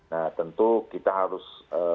nah tentu kita harus